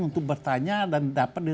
untuk bertanya dan dapat